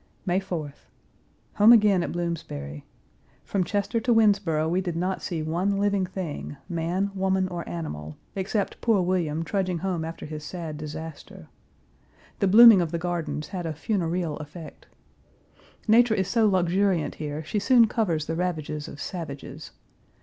May 4th. Home again at Bloomsbury. From Chester to Winnsboro we did not see one living thing, man, woman, or animal, except poor William trudging home after his sad disaster. The blooming of the gardens had a funereal effect. Page 385 Nature is so luxuriant here, she soon covers the ravages of savages.